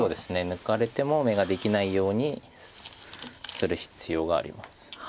抜かれても眼ができないようにする必要があります。